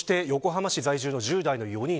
横浜市在住の１０代の４人。